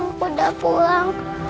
aku udah pulang